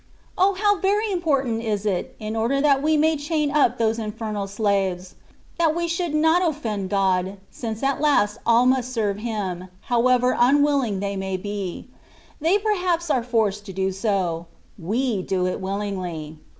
O ! how yery important is it> in order that we may chain np those infernal slaves, that we should not offend God, since at last all must serve Him, however unwilling they may be ; they perhaps are forced to do so : we do it willingly.